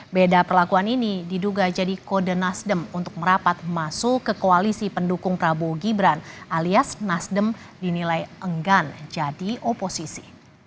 beda perlakuan ini diduga jadi kode nasdem untuk merapat masuk ke koalisi pendukung prabowo gibran alias nasdem dinilai enggan jadi oposisi